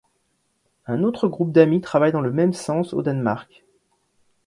Un autre groupe d'amis travaille dans le même sens au Danemark.